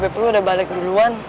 bebek lo udah balik duluan